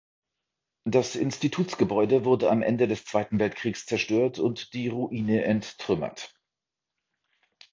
Das Institutsgebäude wurde am Ende des Zweiten Weltkriegs zerstört und die Ruine enttrümmert.